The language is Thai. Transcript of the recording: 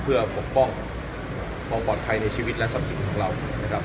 เพื่อปกป้องความปลอดภัยในชีวิตและทรัพย์สินของเรานะครับ